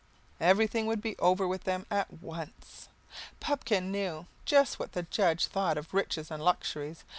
Everything would be over with them at once. Pupkin knew just what the judge thought of riches and luxuries.